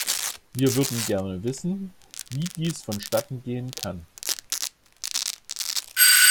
Wir würden gerne wissen, wie dies vonstatten gehen kann.